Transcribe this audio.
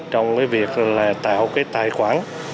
trong việc tạo tài khoản